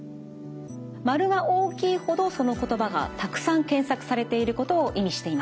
丸が大きいほどその言葉がたくさん検索されていることを意味しています。